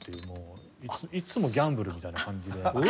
もういつもギャンブルみたいな感じで。